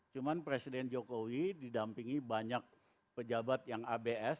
cuma presiden jokowi didampingi banyak pejabat yang abs